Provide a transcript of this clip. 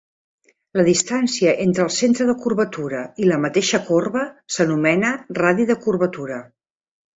La distància entre el centre de curvatura i la mateixa corba s'anomena radi de curvatura.